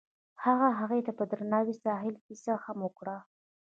هغه هغې ته په درناوي د ساحل کیسه هم وکړه.